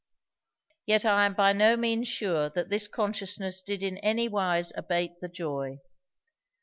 Yet I am by no means sure that this consciousness did in any wise abate the joy.